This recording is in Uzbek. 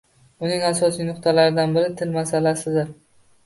Uning asosiy nuqtalaridan biri – til masalasidir.